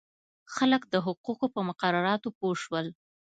خلک د حقوقو په مقرراتو پوه شول.